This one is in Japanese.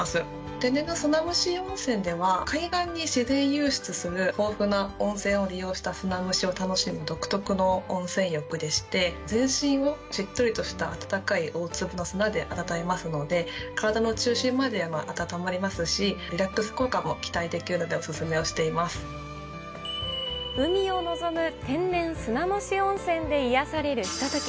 天然の砂むし温泉では、海岸に自然湧出する豊富な温泉を利用した砂むしを楽しむ独特の温泉浴でして、全身をしっとりとした温かい大粒の砂で温めますので、体の中心まで温まれますし、リラックス効果も期待できるので海を望む天然砂むし温泉で癒やされるひととき。